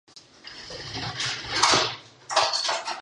پلاستیک طبیعت ته زیان رسوي.